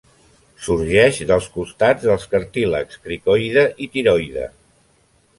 Sorgeix dels costats dels cartílags cricoide i tiroide.